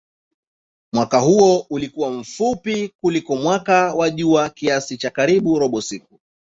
Mwaka huo ulikuwa mfupi kuliko mwaka wa jua kiasi cha karibu robo siku.